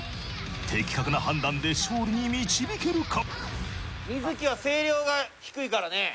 的確な判断で勝利に導けるか。